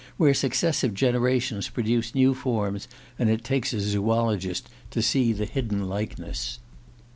where successive generations produce new forms, and it takes a zoologist to see the hidden likeness.